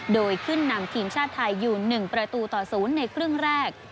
โดยขึ้นนำทีมชาติไทยอยู่๑ประตูต่อ๐ในครึ่งแรก